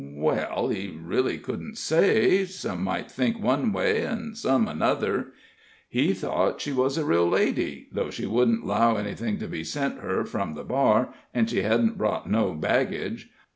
Well, he really couldn't say some might think one way, an' some another. He thought she was a real lady, though she wouldn't 'low anything to be sent her from the bar, and she hedn't brought no baggage.